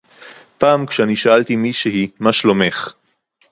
פעם כשאני שאלתי מישהי מה שלומך